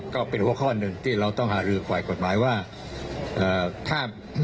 ก็เป็นหัวข้อหนึ่งที่เราต้องหารือฝ่ายกฎหมายว่าถ้า